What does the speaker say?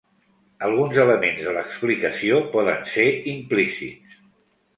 Alguns elements de l'explicació poden ser implícits.